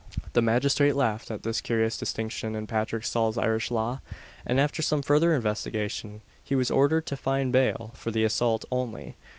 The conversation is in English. The magistrate laughed at this curious distinction in Patrick Saul's Irish law; and, after some further investigation, he was ordered to find bail for the assault only.